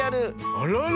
あらら！